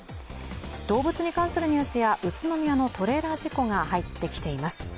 動物に関するニュースや宇都宮のトレーラー事故が入ってきています。